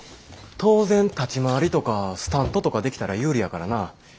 当然立ち回りとかスタントとかできたら有利やからな。